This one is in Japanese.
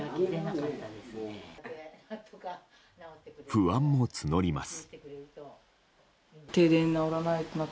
不安も募ります。